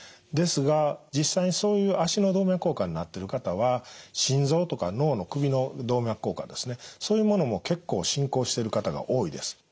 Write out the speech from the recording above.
ですが実際にそういう脚の動脈硬化になってる方は心臓とか脳の首の動脈硬化ですねそういうものも結構進行している方が多いです。